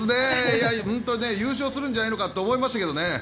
優勝するんじゃないのかと思いましたけどね。